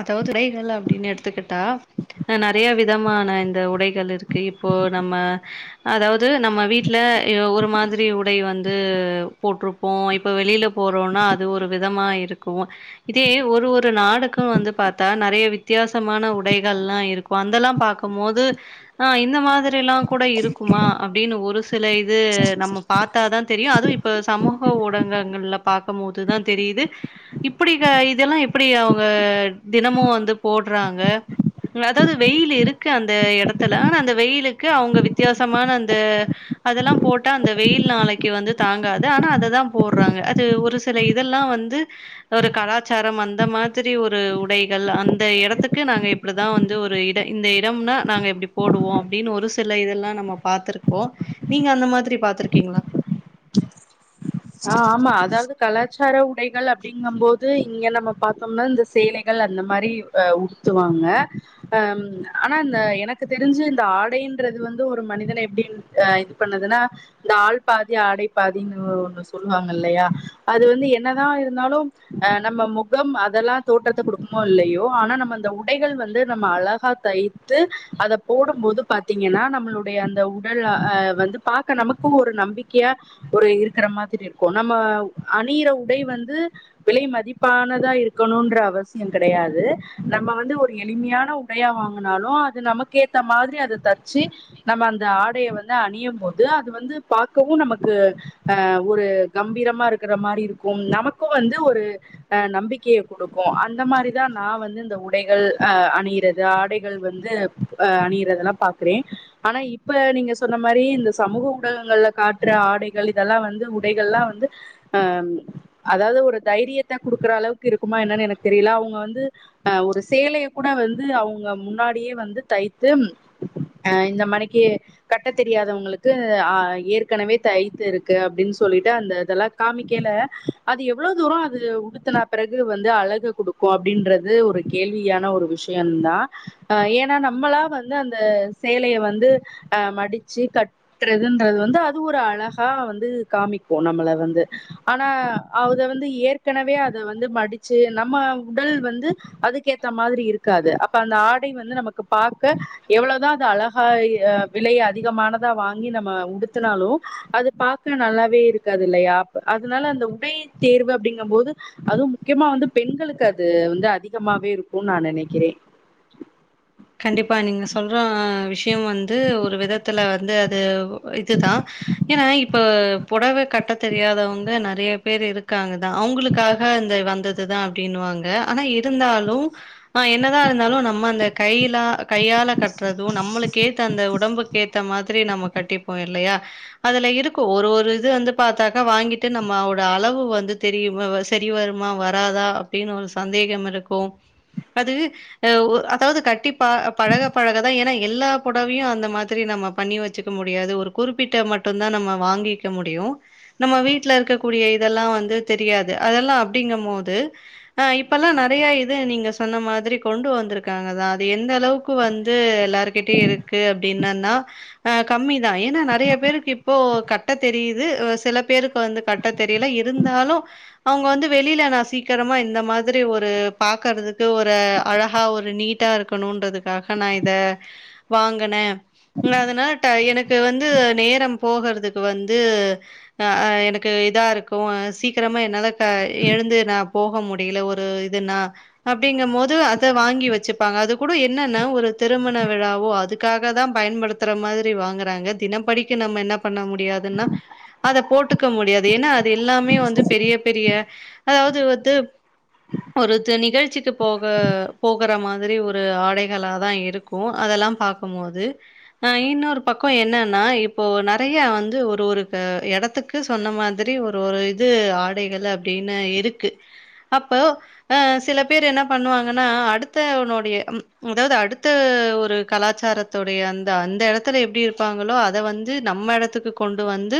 அதாவது உடைகள் அப்படின்னு எடுத்துக்கிட்டாஹ நிறைய விதமான இந்த உடைகள் இருக்கு இப்போ நம்ம அதாவது நம்ம வீட்டுல ஒரு மாதிரி உடை வந்து போட்டிருப்போம் இப்போ வெளியில போறோம்னா அது ஒரு விதமா இருக்கும் இதே ஒரு ஒரு நாடுக்கு வந்து பார்த்தா நிறைய வித்தியாசமான உடைகள் எல்லாம் இருக்கும் அதந்தெல்லாம் பார்கக்கும்போது ஆஹ் இந்த மாதிர எல்லாம் கூட இருக்குமா அப்படின்னு ஒரு சில இது நம்ம பார்த்தாதான் தெரியும் அதுவும் இப்ப சமூக ஊடகங்கள் பார்க்கும் மோதுதான் தெரியுது இப்படி இதெல்லாம் எப்டி அவங்க தினமும் வந்து போடுறாங்க அதாவது வெயில் இருக்கு அந்த இடத்துல ஆனா அந்த வெயிலுக்கு அவங்க வித்தியாசமான அந்த அதெல்லாம் போட்டா அந்த வெயில் நாளைக்கு வந்து தாங்காது ஆனா அததான் போடுறாங்க அது ஒரு சில இதெல்லாம் வந்து ஒரு கலாச்சாரம் அந்த மாதிரி மாதிரி ஒரு உடைகள் அந்த இடத்துக்கு நாங்க இப்படிதான் வந்து ஒரு இடம் இந்த இடம்னா நாங்க எப்படி போடுவோம் அப்படின்னு ஒரு சில இதெல்லாம் நம்ம பாத்துிருக்கோம் நீங்க அந்த மாதிரி பாத்துிருக்கீங்களா ஆஹ் ஆமா அதாவது கலாச்சார உடைகள் அப்படிங்க போது இங்க நம்ம பார்த்தோம்னா இந்த சேலைகள் அந்த மாதிரி அஹ் உடுத்துவாங்க அஹ் ஆனா இந்த எனக்கு தெரிஞ்சு இந்த ஆடைன்றது வந்து ஒரு மனிதனை எப்படி அஹ் இது பண்ணுதுன்னா இந்த ஆள் பாதி அடைப்பாதன்னனு ஒண்ண சொல்லுவாங்க இல்லையா அது வந்து என்னதான் இருந்தாலும் அஹ் நம்ம முகம் அதெல்லாம் தோட்டத்தை குடுக்குமோ இல்லையோ ஆனா நம்ம அந்த உடைகள் வந்து நம்ம அழகா தைத்துு அதை போடும் போோது பாார்த்தீங்கன்னா நம்மளுடைய அந்த உடல் அஹ் வந்து பார்க்க நமக்கும் ஒரு நம்பிக்கை ஒரு இருக்கிற மாதிரி இருக்கும் நம்ம அணிற உடை வந்து விலை மதிப்பானதா இருக்கணும்ன்ற அவசியம் கிடையாது நம்ம வந்து ஒரு எளிமையான உடையா வாங்கினாலும் அது நமக்க ஏத்த மாதிரி அதை தச்சு நம்ம அந்த ஆடையை வந்து அணியும் போோது அது வந்து பா நமக்கு அஹ ஒரு கம்பீரமா இருக்கிற மாதிரி இருக்கும் நமக்கும் வந்து ஒரு அஹ நம்பிக்கையை கொடுக்கும் அந்த மாதிரிதான் நான் வந்து இந்த உடைகள் அஹ் அணியறது ஆடைகள் வந்து அணியறத எல்லாம் பாக்குறேன் ஆனா இப்ப நீங்க சொன்ன மாதிரி இந்த சமூக ஊடகங்கள்ல காற்று ஆடைகள் இதெல்லாம் வந்து உடைகள்லாம் வந்து அஹ் அதாவது ஒரு தைரியத்தை கொடுக்குற அளவுக்கு இருக்குமா என்னு எனக்கு தெரியல அவங்க வந்து அஹ் ஒரு சேலைய கூட வந்து அவங்க முன்னாடியே வந்து தைத்து அஹ் இந்த மனைக்கு கட்ட தெரியாதவங்களுக்கு அஹ்ற்க ஏற்கனவே தைத்து இருக்கு அப்படின்னு சொல்லிட்டு அந்த இதெல்லாம் காமிக்கல அது எவ்வளவு தூரம் அது உடுத்தன பிறகு வந்து அழக கொடுக்கும் அப்படின்றது ஒரு கேள்வியான ஒரு விஷயம் தான்ஹ ஏன்னா நம்மளா வந்து அந்த சேலையை வந்து அஹ மடிச்சு கட்டுறதுன்றது வந்து அது ஒரு அழகா வந்து காமிக்கும் நம்மளை வந்து ஆனா அத வந்து ஏற்கனவே அத வந்து மடிச்சு நம்ம உடல் வந்து அதுக்க ஏற்ற மாதிரி இருக்காது அப்ப அந்த ஆடை வந்து நமக்கு பார்க்க எவ்வளவுதான் அது அழகா் விலையை அதிகமானதா வாங்கி நம்ம உ துனாலும் அது பார்க நல்லாவே இருக்காது இல்லையா அதனால அந்த உடை தேர்வு அப்படிங்கும் போது அதுவும் முக்கியமா வந்து பெண்களுக்கு அது வந்து அதிகமாவே இருக்கும்னு நான் நினைக்கிறேன் கண்டிப்பா நீங்க சொல்ற விஷ அப்பும் வந்து ஒரு விதத்தில் வந்து அது இதுதான் ஏன்னா இப்ப புடவை கட்ட தெரியாதவங்க நிறைய பேர் இருக்காங்கதான் அவங்களுக்காக இந்த வந்ததுதான் அப்படின்வாங்க ஆனா இருந்தாலும் ஆஹ் என்னதான் இருந்தாலும் நம்ம அந்த கையிலா கையால கட்டுறது நம்மளுக்கு ஏத்த அந்த உடம்புக்கு ஏத்த மாதிரி நம்ம கட்டிப்போ இல்லையா அதுல இருக்கும் ஒரு ஒரு இது வந்து பாார்த்தாக்கா வாங்கிட்டு நம்மோட அளவு வந்து தெரிய சரி வருமா வராதா அப்படின்னு ஒரு சந்தேகம் இருக்கும் அது அஹ் அதாவது கட்டி பழக பழகதான் ஏன்னா எல்லா புடவையும் அந்த மாதிரி நம்ம பண்ணி வச்சுக்க முடியாது ஒரு குறிப்பிட்ட மட்டுும் தான் நம்ம வாங்கிக்க முடியும் நம்ம வீட்டுல இருக்கக்கூடிய இதெல்லாம் வந்து தெரியாது அதெல்லாம் அப்படிங்க போோது ஆஹ் இப்பல்லாம் நிறைய இது நீங்க சொன்ன மாதிரி கொண்டு வந்திருக்காங்கான் எந்த அளவுக்கு வந்து எல்லாருக்கிட்டயும் இரு இருக்கு அப்படின்னன்னாஹ கம்மிதான் ஏன்னா நிறைய பேருக்கு இப்போ கட்ட தெரியுது சில பேருக்கு வந்து கட்ட தெரியல இருந்தாலும் அவங்க வந்து வெளியில நான் சீக்கிரமா இந்த மாதிரி ஒரு பாக்குறதுக்கு ஒரு அழகா ஒரு நீட் [unintelligible] இக்கனுன்றதுக்காக நான் இத வாங்கினேன் அதனால எனக்கு வந்து நேரம் போகறதுக்கு வந்து எனக்கு இதா இருக்கும் சீக்கிரமா என்னால எழுந்து நான் போக முடியல ஒரு இதுனா அப்படிங்கும் போோது அத வாங்கி வச்சுப்பாங்க அது கூ என்னன்ன ஒரு திருமண விழாவோ அதுக்காக தான் பயன்படுத்துற மாதிரி வாங்குறாங்க தினப்படிக்கு நம்ம என்ன பண்ண முடியாதுன்னா அத போட்டுக்க முடியாது ஏன்னா அது எல்லாமே வந்து பெரிய பெரிய அதாவது வந்து ஒரு நிகழ்ச்சிக்கு போக போகற மாதிரி ஒரு ஒரு ஆடைகள தான் இருக்கும் அதெல்லாம் பார்க்கபோதுஹ இன்னொரு பக்கம் என்னன்னா இப்போ நிறைய வந்து ஒரு ஒரு இடத்துக்கு சொன்ன மாதிரி ஒரு ஒரு இது ஆடைகள் அப்படின்னு இருக்கு அப்போஹ சில பேர் என்ன பண்ணுவாங்கன்னா அடுத்தவனுடைய அதாவது அடுத்த ஒரு கலாச்சாரத்துடைய அந்த அந்த இடத்துல எப்படி இருப்பாங்களோ அத வந்து நம்ம இடத்துக்கு கொண்டு வந்து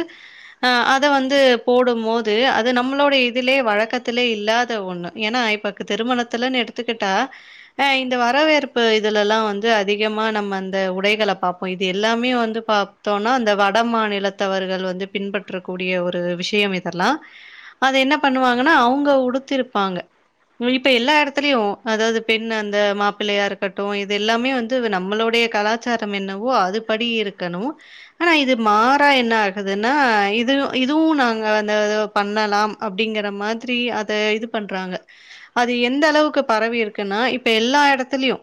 அஹ அத வந்து போடும் போோது அது நம்மளுோடைய இதுிலயே வழக்கத்திலே இல்லாத ஒண்ணும் ஏன்னா இப்ப திருமணத்துலன்னு எடுத்துக்கிட்டாஹ இந்த வரவேற்பு இதுல எல்லாம் வந்து அதிகமா நம்ம அந்த உடைகளை பார்ப்போம் இது எல்லாமே வந்து பார்த்தோம்னா அ வட மாநிலத்தவர்கள் வந்து பின்பற்றக்கூடிய ஒரு விஷயம் இதெல்லாம் அதது என்ன பண்ணுவாங்கன்னா அவங்க உடுத்திருப்பாங்க இப்ப எல்லா இடத்துலயும் அதாவது பெண் அ மாப்பிள்ளையா இருக்கட்டும் இது எல்லாமே வந்து நம்மளுடைய கலாச்சாரம் என்னவோ அதுபடி இருக்கணும் ஆனா இது மாறா என்ன ஆகுதுன்னா இது இதுவும் நாங்க அந்த பண்ணலாம் அப்படிங்கற மாதிரி அத இது பண்றாங்க அது எந்த அளவுக்கு பரவி இருக்குன்னா இப்போ எல்லா இடத்துலயும்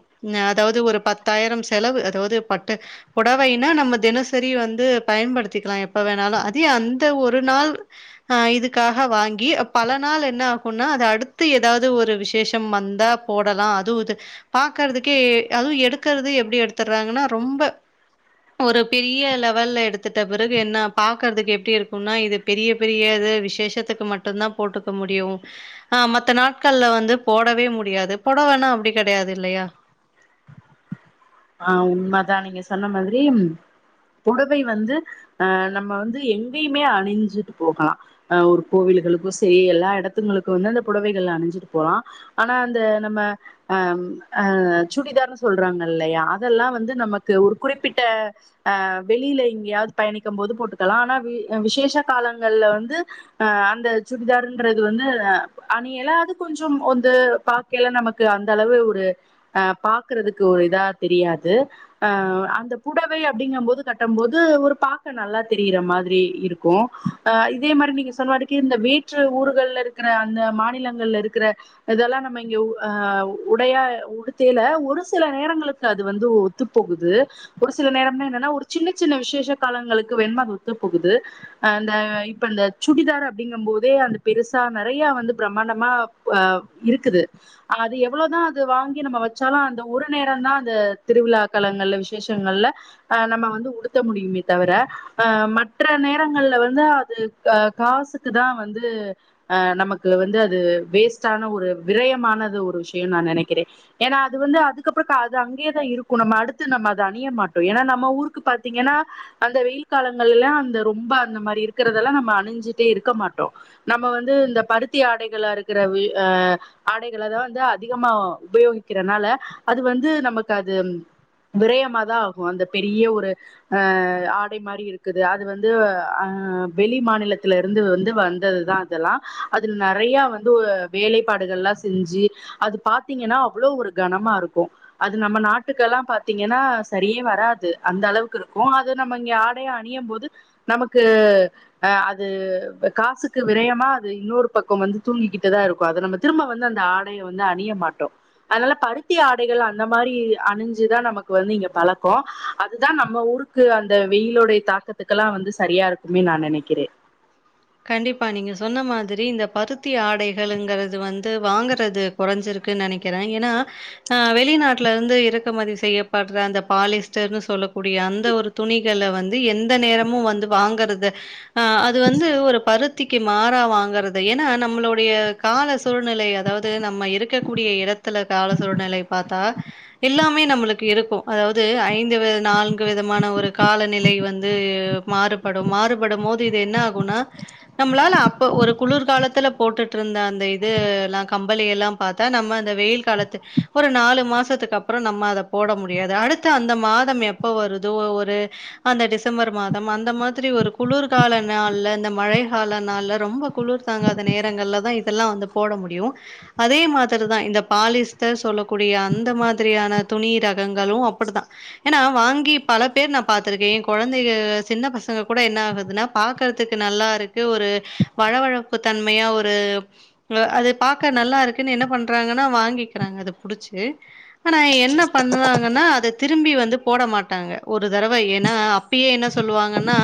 அதாவது ஒரு பத்தாயிரம் செலவு அதாவது பட்டு புடவைனா நம்ம தினசரி வந்து பயன்படுத்திக்கலாம் எப்ப வேணாலும் அந்த ஒரு நாள் ஆஹ் இதுக்காக வாங்கி பல நாள் என்ன ஆகும்னா அதது அடுத்து ஏதாவது ஒரு விசேஷம் வந்தா போடலாம் தூது பாக்கறதுக்கே அதுவும் எடுக்கறிறது எப்படி எடுத்துடுறாங்கன்னா ரொம்ப ஒரு பெரிய லெவல்ல எடுத்துட்ட பிறகு என்ன பாக்கறதுக்கு எப்படி இருக்கும்னா இது பெரிய பெரிய விசேஷத்துக்கு மட்டுும்்தான் போட்டுக்க முடியும் ஆஹ் மத்த நாட்கள்ல வந்து போடவே முடியாது போடவேனா அப்படி கிடையாது இல்லையா ஆஹ் உண்மைாதான் நீங்க சொன்ன மாதிரி புடவை வந்து அஹ் நம்ம வந்து எங்கேயுமே அணிஞ்சுட்டு போகலாம் அஹ் ஒரு கோவில்களுக்கும் சரி எல்லா இடத்துங்களுக்கும் வந்து அந்த புடவைகள்ல அணிஞ்சிட்டு போகலாம் ஆனா அந்த நம்ம அஹ் அஹ் சுடிதார்ன்னனுு சொல்றாங்க இல்லையா அதெல்லாம் வந்து நமக்கு ஒரு குறிப்பிட்டஹ் வெளியில இங்கேயாவது பயணிக்கும் போோது போட்டுக்கலாம் ஆனா விசேஷ காலங்கள்ல வந்து ஆஹ அந்த சுடிதார்ன்றது வந்து அணிய எலது கொஞ்சம் வந்து பாார்கல நமக்கு அந்த அளவு ஒரு அஹ பாாரக்குறதுக்கு ஒரு இதா தெரியாது அஹ் அந்த புடவை அப்படிங்க போோது கட்டும் போோது ஒரு பா்கக்க நல்லா தெரிகிற மாதிரி இருக்கும் அஹ் இதே மாதிரி நீங்க சொன்ன வரைக்கு இந்த வேற்று ஊகள்ல இருக்கிற அந்த மாநிலங்கள்ல இருக்கிற இதெல்லாம் நம்ம இங்க ஆஹ் உடையா உத்தல ஒரு சில நேரங்களுக்கு அது வந்து ஒத்துப்போகுது ஒரு சில நேரம் என்னன்னா ஒரு சின்ன சின்ன விசேஷ காலங்களுக்கு வேணம அது ஒத்துப்போகுது் அந்த இப்ப அ சுடிதார் அப்படிங்க போதே அந்த பெருசா நிறைய வந்து பிரமாண்டமா் இருக்குது அது எவ்வளவுதான் அது வாங்கி நம்ம வச்சாலும் அந்த ஒரு நேரம் தான் திருவிழாக்கலங்கள்ல விசேஷங்கள்லஹ நம்ம வந்து உடுத்த முடியுமே தவிரஹ மற்ற நேரங்கள்ல வந்து அது காசுக்கு தான் வந்துஹ நமக்கு வந்து அது வேஸ்டான ஒரு விரயமானது ஒரு விஷயம் நான் நினைக்கிறேன் ஏா அது வந்து அதுக்கப்புற து அங்கதான் இருக்கும் நம்ம அடுத்து நம்ம அதை அணிய மாட்டோம் ஏன்னா நம்ம ஊருக்கு பாார்த்தீங்கன்னா அந்த வெயில் காலங்கள் எல்லாம் அந்த ரொம்ப அந்த மாதிரி இருக்கிறதெல்லாம் நம்ம அணிஞ்சுிட்டே இருக்க மாட்டோம் நம்ம வந்து இந்த பருத்தி ஆடைகள இருக்கிற ஆடைக தான் வந்து அதிகமா உபயோகிக்கனால அது வந்து ந்து நமக்கு அது விரயமாதான் ஆகும் அந்த பெரிய ஒரு அஹ் ஆடை மாதிரி இருக்குது அது வந்து அஹ் வெளி மாநிலத்தில இருந்து வந்து வந்ததுதான் அதெல்லாம் அதுல நிறைய வந்து வேலைப்பாடுகள் எல்லாம் செஞ்சு அது பாத்தீங்கன்னா அவ்வளவு ஒரு கனமா இருக்கும் அது நம்ம நாட்டுக்கெல்லாம் பாார்த்தீங்கன்னா சரியே வராது அந்த அளவுக்கு இருக்கும் அது நம்ம இங்க ஆடையை அணியும் போோது நமக்கு அஹ அது காசுக்கு விரயமா அது இன்னொரு பக்கம் வந்து தூங்கிக்கிட்டுதான் இருக்கும் அதை நம்ம திரும்ப வந்து அந்த ஆடையை வந்து அணிய மாட்டோம் அதனால பருத்தி ஆடைகள் அந்த மாதிரி அணிஞ்சுதான் நமக்கு வந்து இங்க பழக்கம் அதுதான் நம்ம ஊருக்கு அந்த வெயிலுடைய தாக்கத்துக்கெல்லாம் வந்து சரியா இருக்குமேு நான் நினைக்கிறேன் கண்டிப்பா நீங்க சொன்ன மாதிரி இந்த பருத்தி ஆடைகள்ங்கிறது வந்து வாங்குறது குறைஞ்சிருக்குன்னு நினைக்கிறேன் ஏன்னா அஹ் வெளிநாட்டுல இருந்து இறக்குமதி செய்யப்படுற அந்த பாலிஸ்டர்னு சொல்லக்கூடிய அந்த ஒரு துணிகளை வந்து எந்த நேரமும் வந்து வாங்குறத அஹ் அது வந்து வந்து ஒரு பருத்திக்கு மாறா வாங்கிறது என நம்மளுடைய கால சூழ்நிலை அதாவது நம்ம இருக்கக்கூடிய இடத்துல கால சூழ்நிலை பார்த்து தா எல்லாமே நம்மளுக்கு இருக்கும் அதாவது ஐந்து நான்கு விதமான ஒரு காலநிலை வந்து மாறுபடும் மாறுபடும் போது இது என்ன நம்மளால அப்ப ஒரு குளிர்காலத்துல போட்டுட்டு இருந்த அந்த இது எல்லாம் கம்பள எல்லாம் பார்த்தா நம்ம அ வெயில் காலத்து ஒரு நாலு மாசத்துக்கு அப்புறம் நம்ம அத போட முடியாது அடுத்து அந்த மாதம் எப்ப வரு ஒரு அந்த டிசம்பர் மாதம் அந்த மாதிரி ஒரு குளிர்கால மழை கால நாள் ரொம்ப குளிர் தாங்காத நேரங்கள்ல தான் இதெல்லாம் வந்து போட முடியும் அதே மாதிரிதான் இந்த பாலிஸ்டர் சொல்லக்கூடிய அந்த மாதிரியான துணி ரகங்களும் அப்படித்தான் ஏன்னா வாங்கி பல பேர் நான் பா்த்திருக்கேன் குழந்தை சின்ன பசங்க கூட என்ன ஆகுதுன்னா பாக்கறதுக்கு நல்லா இருக்கு ஒரு வழவழப்பு தன்மையா ஒரு அது பாார்க நல்லா இருக்குன்னு என்ன பண்றாங்கன்னா வாங்கிக்கிறாங்க அது புிடிச்சு ஆனா என்ன பண்ணறாங்கன்னா அதை திரும்பி வந்து போட மாட்டாங்க ஒரு தடவை ஏன்னா அப்பயே என்ன சொல்லுவாங்கன்னா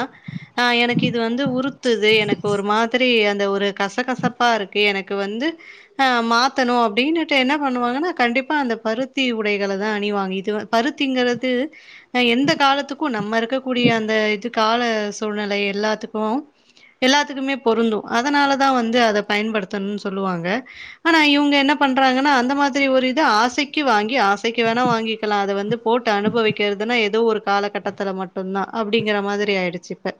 ஆஹ் எனக்கு இது வந்து உறுத்துது எனக்கு ஒரு மாதிரி அந்த ஒரு கசகசப்பா இருக்கு எனக்கு வந்து அஹ மாத்தணும் அப்படின்னுட்டு என்ன பண்ணுவாங்கன்னா கண்டிப்பா அந்த பருத்தி உடைகளை தான் அணிவாங்க இது பருத்திங்கிறது எந்த காலத்துக்கும் நம்ம இருக்கக்கூடிய அந்த இது கால சூழ்நிலை எல்லா க்கும் எல்லாத்துக்குமே பொருந்தும் அதனாலதான் வந்து அத பயன்படுத்தணும்னு சொல்லுவாங்க ஆனா இவங்க என்ன பண்றாங்கன்னா அந்த மாதிரி ஒரு இது ஆசைக்கு வாங்கி ஆசைக்கு வேணா வாங்கிக்கலாம் அதை வந்து போட்டு அனுபவிக்கிறதுன்னா ஏதோ ஒரு காலகட்டத்துல மட்டும்தான் அப்படிங்கிற மாதிரி ஆயிடுச்சுப்ப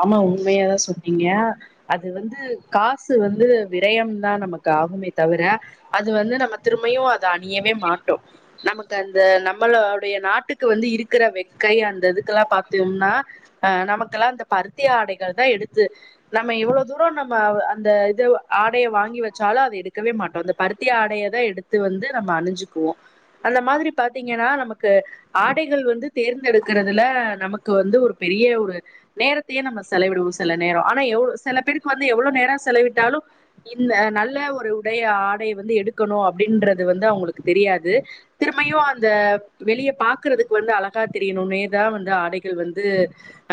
ஆமா உண்மையாதான் சொன்னீங்க அது வந்து காசு வந்து விரயம தான் நமக்கு ஆகுமே தவிர அது வந்து நம்ம திரும்பையும் அதை அணியவே மாட்டோம் நமக்கு அந்த நம்மளோடைய நாட்டுக்கு வந்து இருக்கிற வெக்கை அந்த இதுக்கெல்லாம் பாாரத்தம்னா அஹ் நமக்கெல்லாம் அந்த பருத்திய ஆடைகள் தான் எடுத்து நம்ம எவ்வளோ தூரம் நம்ம அந்த இது ஆடையை வாங்கி வச்சாலும் அதை எடுக்கவே மாட்டோம் அந்த பருத்தியி ஆடைய தான் எடுத்து வந்து நம்ம அணிஞ்சுக்குவோம் அந்த மாதிரி பாாரத்தீங்கன்னா நமக்கு ஆடைகள் வந்து தேர்ந்தெடுக்கிறதுல நமக்கு வந்து ஒரு பெரிய ஒரு நேரத்தை ந செலவிடுவோம் சில நேரம் ஆனா எ சில பேருக்கு வந்து எவ்வளவு நேரம் செலவிட்டாலும் இந்த நல்ல ஒரு உடைைய ஆடைைய வந்து எடுக்கணும் அப்படின்றது வந்து அவங்களுக்கு தெரியாது திரும்மும் அந்த வெளிய பாக்குறதுக்கு வந்து அழகா தெரியணும்னேதான் வந்து ஆடைகள் வந்து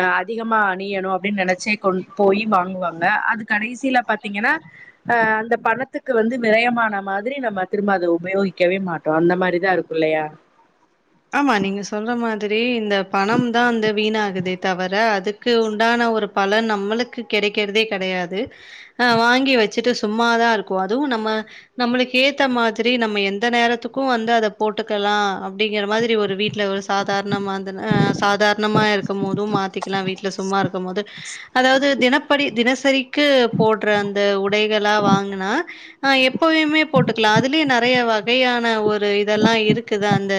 அஹ் அதிகமா பணியணும் அப்படின்னு நினைச்சே கொ போய் வாங்குவாங்க அது கடைசியில பாத்தீங்கன்னா அஹ் அந்த பணத்துக்கு வந்து விரயமான மாதிரி நம்ம திரும்ப அதை உபயோகிக்கவே மாட்டோம் அந்த மாதிரிதான் இருக்கும் இல்லையா ஆமா நீங்க சொல்ற மாதிரி இந்த பணம் தான் வந்து வீணாகுது தவிர அதுக்கு உண்டான ஒரு பலன் நம்மளுக்கு கிடைக்கிறதே கிடையாது ஆஹ் வாங்கி வச் வச்சட்டு சும்மாதான் இருக்கும் அதுவும் நம்ம நம்மளுக்கு ஏத்த மாதிரி நம்ம எந்த நேரத்துக்கும் வந்து அத போட்டுக்கலாம் அப்படிங்கற மாதிரி ஒரு வீட்டுல ஒரு சாதாரணமாந்த் சாதாரணமா இருக்கும் போதும் மாத்திக்கலாம் வீட்டுல சும்மா இருக்கும் போது அதாவது தினப்படி தினசரிக்கு போடுற அந்த உடைகளா வாங்கினா அஹ எப்பவுுமே போட்டுக்கலாம் அதுலயே நிறைய வகையான ஒரு இதெல்லாம் இருக்குத அந்த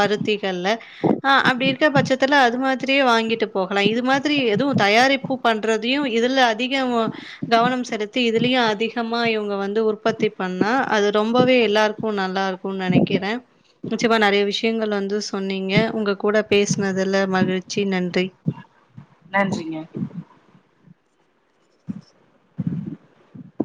பருத்திகள்ல ஆஹ் அப்படி இருக்க பட்சத்துல அது மாதிரியே வாங்கிட்டு போகலாம் இது மாதிரி எதுவும் தயாரிப்பு பண்றதையும் இதுல அதிகம் கவனம் செலுத்தி இதுலயும் அதிகமா இவங்க வந்து உற்பத்தி பண்ணா அது ரொம்பவே எல்லாருக்கும் நல்லா இருக்கும்ு நினைக்கிறேன் நிச்சயமா நிறைய விஷயம் விஷயங்கள் வந்து சொன்னீங்க உங்க கூட பேசினதல மகிழ்ச்சி நன்றி நன்றிங்க